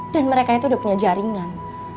dan mereka itu udah punya jaringan